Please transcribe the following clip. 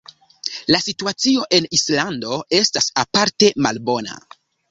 La situacio en Islando estas aparte malbona.